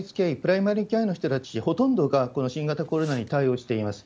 医、プライマリケアの人たち、ほとんどがこの新型コロナに対応しています。